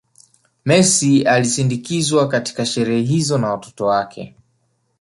Messi alisindikizwa katika sherehe hizo na watoto wake